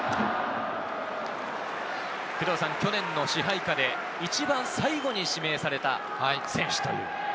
去年の支配下で一番最後に指名された選手。